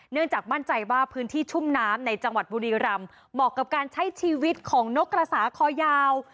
เนื่องจากมั่นใจว่าพื้นที่ชุ่มน้ำในจังหวัดบุรีรำเหมาะกับการใช้ชีวิตของนกกระสาคอยาว